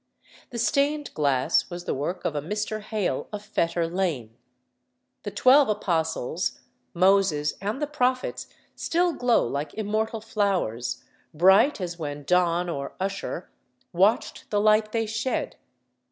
The stained glass was the work of a Mr. Hale of Fetter Lane. The twelve apostles, Moses, and the prophets still glow like immortal flowers, bright as when Donne, or Ussher, watched the light they shed.